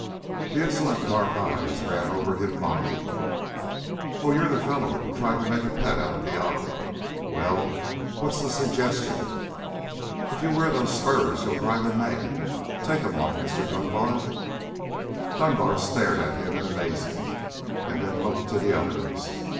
The insolent dark eyes ran over him mockingly. "Oh, you're the fellow who tried to make a pet out of Diablo? Well, what's the suggestion?" "If you wear those spurs you'll drive him mad! Take 'em off, Mr. Dunbar!" Dunbar stared at him in amazement, and then looked to the others.